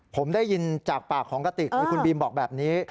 ผมได้ยินจากปากของกระติกคุณบีมบอกแบบนี้